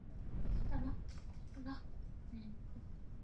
I have told my colleagues about my plan for the day.